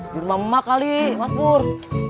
jurma emak kali matpur